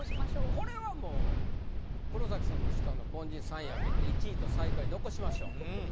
これはもう黒崎さんの下の凡人３位開けて１位と最下位残しましょう。